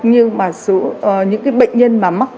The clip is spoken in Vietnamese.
nhưng mà những bệnh nhân mắc